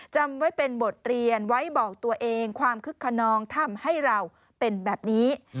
จำไว้เป็นบทเรียนไว้บอกตัวเองความคึกขนองทำให้เราเป็นแบบนี้